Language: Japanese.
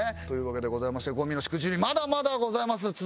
というわけでございましてゴミのしくじりまだまだございます。